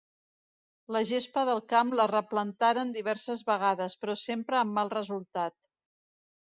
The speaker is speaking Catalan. La gespa del camp la replantaren diverses vegades, però sempre amb mal resultat.